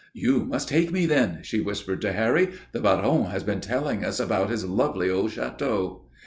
"You must take me, then," she whispered to Harry. "The Baron has been telling us about his lovely old château."